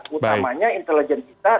utamanya intelijen kita